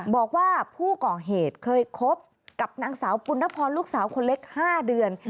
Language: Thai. บอกว่าผู้ก่อเหตุเคยคบกับนางสาวปุณพรลูกสาวคนเล็ก๕เดือน